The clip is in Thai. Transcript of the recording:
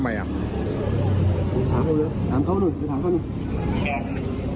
คนเดิมคนเดิม